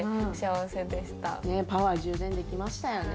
パワー充電できましたよね。